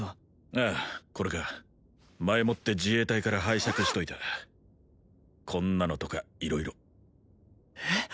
ああこれか前もって自衛隊から拝借しといたこんなのとか色々えっ！？